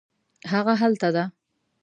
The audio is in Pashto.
هغه هلته ده